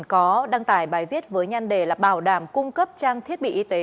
có đăng tải bài viết với nhan đề là bảo đảm cung cấp trang thiết bị y tế